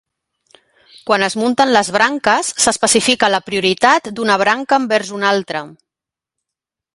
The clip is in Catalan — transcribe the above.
Quan es munten les branques, s'especifica la prioritat d'una branca envers una altra.